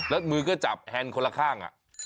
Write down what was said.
แล้วมือก็จับแฮนดคนละข้าง